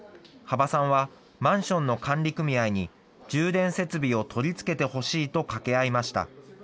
幅さんはマンションの管理組合に、充電設備を取り付けてほしいと掛け合いました。